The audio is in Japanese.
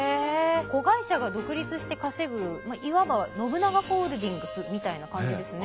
子会社が独立して稼ぐいわば信長ホールディングスみたいな感じですね。